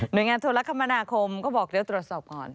โดยงานโทรคมนาคมก็บอกเดี๋ยวตรวจสอบก่อน